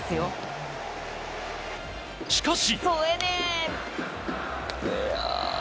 しかし。